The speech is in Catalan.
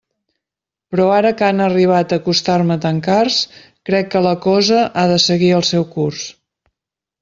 Però ara que han arribat a costar-me tan cars, crec que la cosa ha de seguir el seu curs.